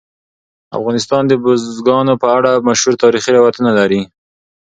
افغانستان د بزګانو په اړه مشهور تاریخی روایتونه لري.